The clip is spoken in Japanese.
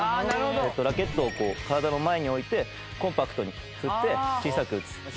ラケットを体の前に置いてコンパクトに振って小さく打つ。